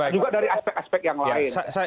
juga dari aspek aspek yang lain